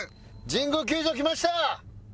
神宮球場来ました！